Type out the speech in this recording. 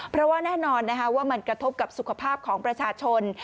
เพราะว่าแน่นอนว่ามันกระทบกับสุขภาพของประชาชน